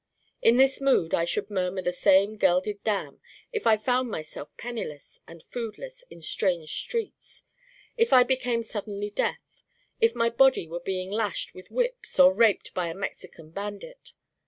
In this mood I should murmur the same gelded Damn if I found myself penniless and foodless in strange streets: if I became suddenly deaf: if my Body were being lashed with whips or raped by a Mexican bandit.